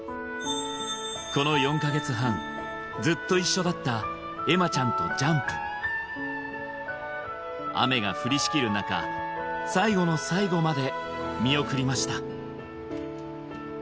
このだった愛舞ちゃんとジャンプ雨が降りしきる中最後の最後まで見送りました